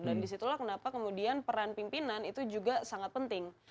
dan disitulah kenapa kemudian peran pimpinan itu juga sangat penting